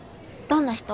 どんな人？